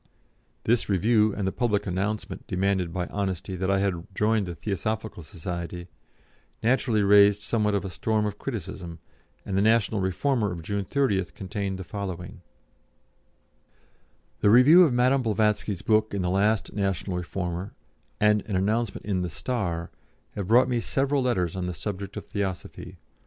This review, and the public announcement, demanded by honesty, that I had joined the Theosophical Society, naturally raised somewhat of a storm of criticism, and the National Reformer of June 30th contained the following: "The review of Madame Blavatsky's book in the last National Reformer, and an announcement in the Star, have brought me several letters on the subject of Theosophy.